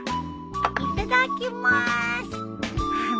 いただきまーす！